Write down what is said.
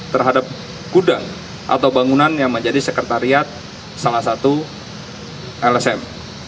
terhadap gudang atau bangunan yang menjadi sekretariat salah satu lsm